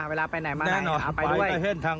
เวลาไปไหนมาไหนไปด้วย